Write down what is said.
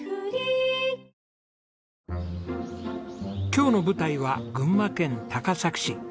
今日の舞台は群馬県高崎市。